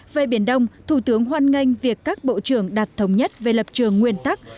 về biển đông thủ tướng hoan nghênh việc các bộ trưởng đặt thống nhất về lập trường nguyên tắc